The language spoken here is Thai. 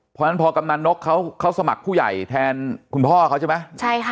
เพราะฉะนั้นพอกำนันนกเขาเขาสมัครผู้ใหญ่แทนคุณพ่อเขาใช่ไหมใช่ค่ะ